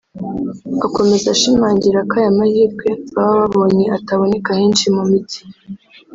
Akomeza ashimangira ko aya mahirwe baba babonye ataboneka henshi mu mijyi